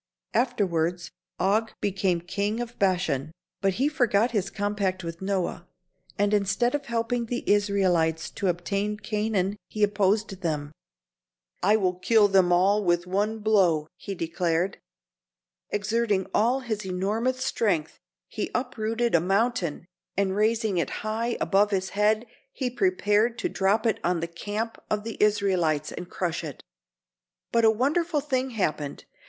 Afterwards Og became King of Bashan, but he forgot his compact with Noah and instead of helping the Israelites to obtain Canaan he opposed them. "I will kill them all with one blow," he declared. Exerting all his enormous strength he uprooted a mountain, and raising it high above his head he prepared to drop it on the camp of the Israelites and crush it. But a wonderful thing happened.